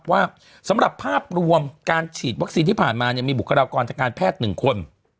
ว่าสำหรับภาพรวมการฉีดวัคซีนที่ผ่านมามีบุคลากรทางการแพทย์๑คน